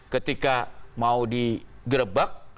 ketika mau digerebak